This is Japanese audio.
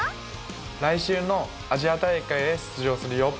来週のアジア大会へ出場するよ